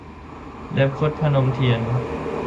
เล็บครุฑ - พนมเทียน